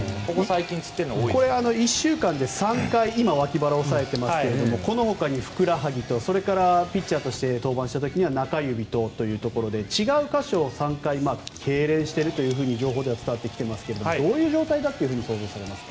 １週間で３回この他にふくらはぎとピッチャーとして登板した時に中指というところで違う箇所を３回けいれんしているというふうに情報では伝わってきていますけどどういう状態だと想像されますか？